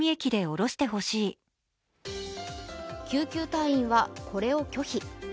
救急隊員はこれを拒否。